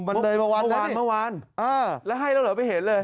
เมื่อวานแล้วให้แล้วเห็นเลย